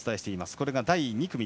これが第２組。